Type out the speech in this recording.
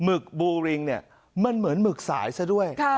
ึกบูริงเนี่ยมันเหมือนหมึกสายซะด้วย